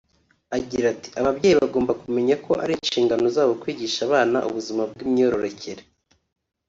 Agira ati “Ababyeyi bagomba kumenya ko ari inshingano zabo kwigisha abana ubuzima bw’imyororokere